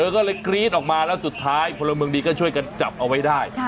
ก็เลยกรี๊ดออกมาแล้วสุดท้ายพลเมืองดีก็ช่วยกันจับเอาไว้ได้